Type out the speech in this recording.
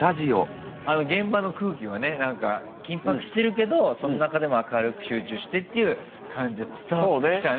現場の空気はねなんか緊迫してるけどその中でも明るく集中してっていう感じは伝わってきたね